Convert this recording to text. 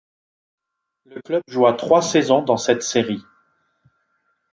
Le club joua trois saisons dans cette série.